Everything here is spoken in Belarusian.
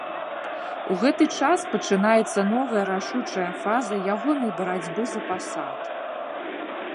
У гэты час пачынаецца новая рашучая фаза ягонай барацьбы за пасад.